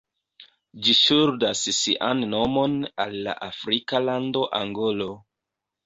Ĝi ŝuldas sian nomon al la afrika lando Angolo.